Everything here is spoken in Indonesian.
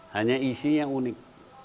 hanya isinya unik